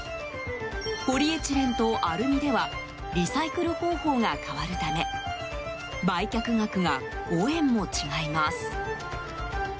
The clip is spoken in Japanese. ポリエチレンとアルミではリサイクル方法が変わるため売却額が５円も違います。